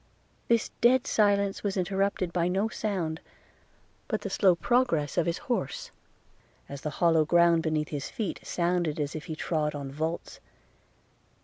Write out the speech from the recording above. This dead silence was interrupted by no sound, but the slow progress of his horse, as the hollow ground beneath his feet sounded as if he trod on vaults.